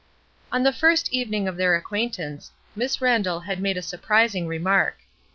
On the first evening of their acquaintance, Miss Randall had made a surprising remark.